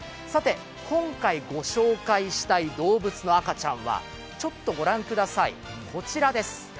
今回、御紹介したい動物の赤ちゃんはちょっとご覧ください、こちらです。